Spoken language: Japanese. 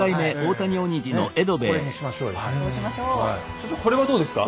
所長これはどうですか？